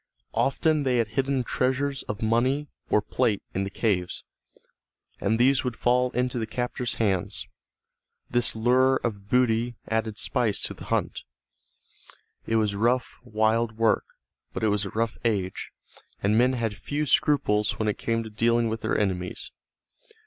Often they had hidden treasures of money or plate in the caves, and these would fall into the captors' hands. This lure of booty added spice to the hunt. It was rough, wild work, but it was a rough age, and men had few scruples when it came to dealing with their enemies.